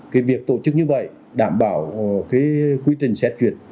cái việc tổ chức như vậy đảm bảo quyết định xét duyệt